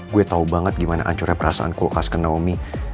gue tau banget gimana hancurnya perasaan kulkas ke naomi